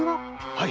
はい！